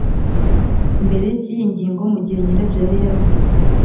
mbere cy iyi ngingo mu gihe nyirabyo yari yavuze